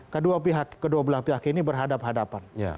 kedua pihak kedua belah pihak ini berhadapan hadapan